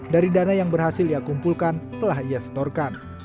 dari dana yang berhasil ia kumpulkan telah ia setorkan